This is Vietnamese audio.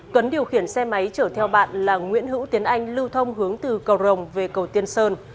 tuấn điều khiển xe máy chở theo bạn là nguyễn hữu tiến anh lưu thông hướng từ cầu rồng về cầu tiên sơn